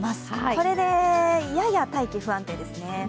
これでやや大気不安定ですね。